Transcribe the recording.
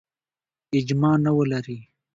اجماع نه ولري.